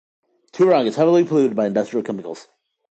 Turag is heavily polluted by industrial chemicals.